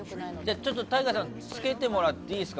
ちょっとＴＡＩＧＡさんつけてもらっていいですか